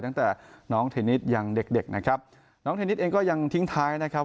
ตั้งแต่น้องเทนนิสยังเด็กเด็กนะครับน้องเทนนิสเองก็ยังทิ้งท้ายนะครับ